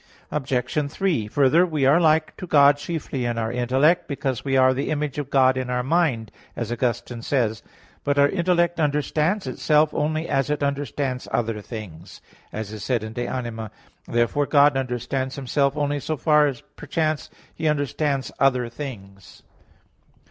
Obj. 3: Further, we are like to God chiefly in our intellect, because we are the image of God in our mind, as Augustine says (Gen. ad lit. vi). But our intellect understands itself, only as it understands other things, as is said in De Anima iii. Therefore God understands Himself only so far perchance as He understands other things.